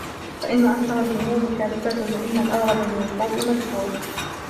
فَإِنَّ أَكْثَرَ الْهُمُومِ كَاذِبَةٌ وَإِنَّ الْأَغْلَبَ مِنْ الْخَوْفِ مَدْفُوعٌ